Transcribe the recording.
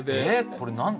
これ何で？